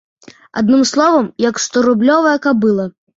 Адным словам, як сторублёвая кабыла.